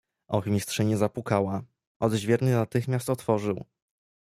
"Ochmistrzyni zapukała; odźwierny natychmiast otworzył."